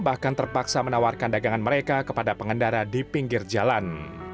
bahkan terpaksa menawarkan dagangan mereka kepada pengendara di pinggir jalan